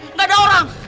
enggak ada orang